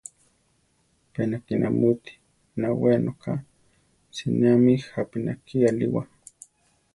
Pe nakí namúti, nawéa noka; sinéami jápi náki alíwa.